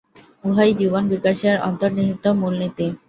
উহাই জীবন-বিকাশের অন্তর্নিহিত মূল নীতি।